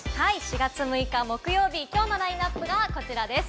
４月６日木曜日のラインナップはこちらです。